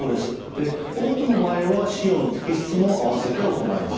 で多くの場合は腫瘍の摘出もあわせて行います。